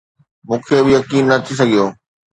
مون کي به يقين نه ٿي سگهيو